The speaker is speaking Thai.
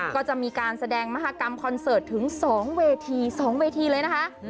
ก็จะมีการแสดงมหากรรมคอนเสิร์ตถึง๒เวที๒เวทีเลยนะคะ